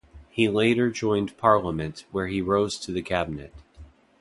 He later joined Parliament, where he rose to the cabinet.